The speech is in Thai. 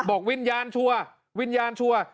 บอกวิญญาณชัวร์วิญญาณชัวร์